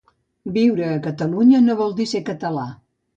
Viure a Catalunya no vol dir ser català